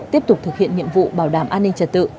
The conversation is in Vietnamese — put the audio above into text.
tiếp tục thực hiện nhiệm vụ bảo đảm an ninh trật tự